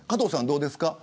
どうですか。